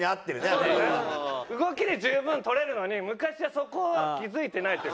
動きで十分とれるのに昔はそこを気付いてないっていうかね。